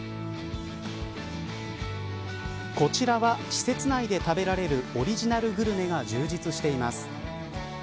こちらは、施設内で食べられるオリジナルグルメが充実しています。